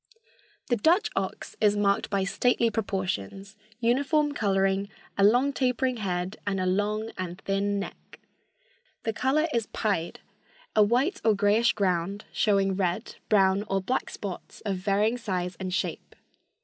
The Dutch ox is marked by stately proportions, uniform coloring, a long, tapering head and a long and thin neck. The color is pied, a white or grayish ground showing red, brown or black spots of varying size and shape.